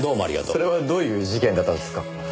それはどういう事件だったんですか？